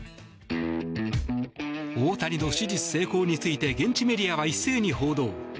大谷の手術成功について現地メディアは一斉に報道。